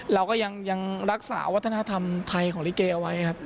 เราก็ยังรักษาวัฒนธรรมไทยของลิเกเอาไว้ครับ